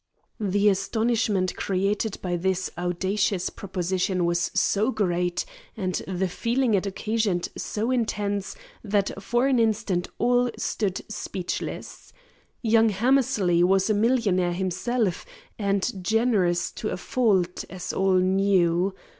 The astonishment created by this audacious proposition was so great, and the feeling it occasioned so intense, that for an instant all stood speechless. Young Hammersley was a millionaire himself, and generous to a fault, as all knew.